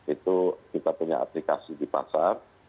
itu kita punya aplikasi di pasar